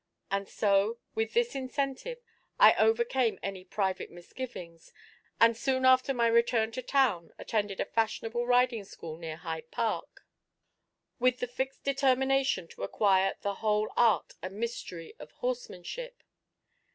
And so, with this incentive, I overcame any private misgivings, and soon after my return to town attended a fashionable riding school near Hyde Park, with the fixed determination to acquire the whole art and mystery of horsemanship.